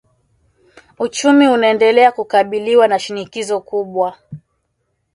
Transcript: Uchumi unaendelea kukabiliwa na shinikizo kubwa